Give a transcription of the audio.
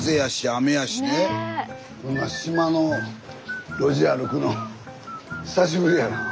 こんな島の路地歩くの久しぶりやなあ。